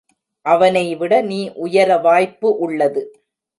அவனைவிட நீ உயர வாய்ப்பு உள்ளது.